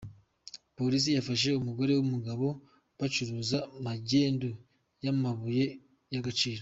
Polisi yafashe umugore n’umugabo bacuruza magendu y’amabuye y’agaciro